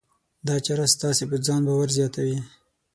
دا چاره ستاسې په ځان باور زیاتوي.